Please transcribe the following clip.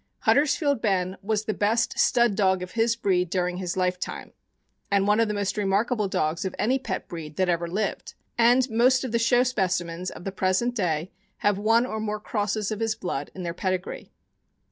Huddersfield Ben was the best stud dog of his breed during his life time, and one of the most remarkable dogs of any pet breed that ever lived; and most of the show specimens of the present day have one or more crosses of his blood in their pedigree.